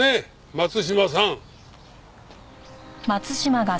松島さん！